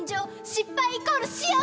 失敗イコール死よ！」。